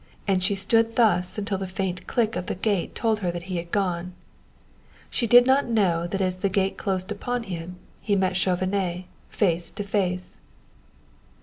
And she stood thus until the faint click of the gate told her that he had gone. She did not know that as the gate closed upon him he met Chauvenet face to face.